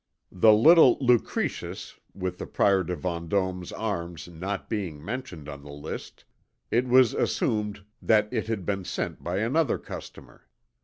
The little Lucretius with the Prior de Vendôme's arms not being mentioned on the list, it was assumed that it had been sent by another customer.